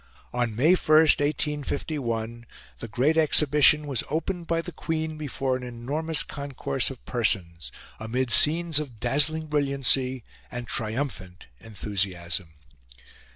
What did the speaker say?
On May 1, 1851, the Great Exhibition was opened by the Queen before an enormous concourse of persons, amid scenes of dazzling brilliancy and triumphant enthusiasm.